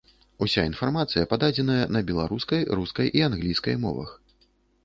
Уся інфармацыя пададзеная на беларускай, рускай і англійскай мовах.